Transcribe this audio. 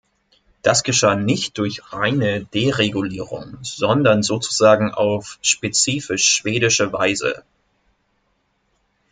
Das geschah nicht durch reine Deregulierung, sondern sozusagen auf spezifisch schwedische Weise.